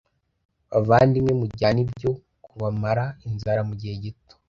bavandimwe mujyane ibyo kubamara inzara mu gihe gito